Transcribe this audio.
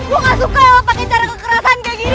gue gak suka lo pake cara kekerasan kayak gini